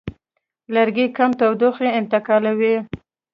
لرګي کم تودوخه انتقالوي.